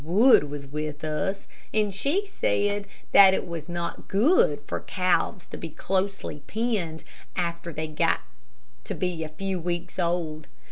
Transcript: Wood was with us, and she said that it was not good for calves to be closely penned after they got to be a few weeks old.